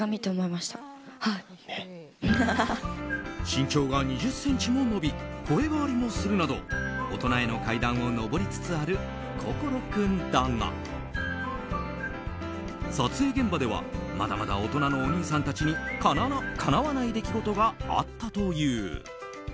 身長が２０ｃｍも伸び声変わりもするなど大人への階段を上りつつある心君だが撮影現場ではまだまだ大人のお兄さんたちにかなわない出来事があったという。